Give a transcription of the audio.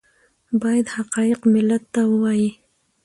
باید حقایق ملت ته ووایي